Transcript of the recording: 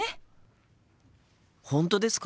本当ですか？